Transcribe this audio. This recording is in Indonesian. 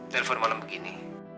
telepon malam begini